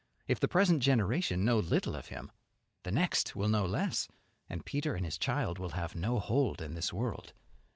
If the present generation know little of him, the next will know less, and Peter and his child will have no hold on this world.